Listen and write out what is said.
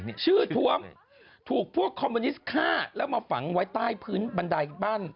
นี่ชื่อท้วมถูกพวกคอมมิวนิสต์ฆ่าแล้วมาฝังไว้ใต้พื้นบันไดบ้าน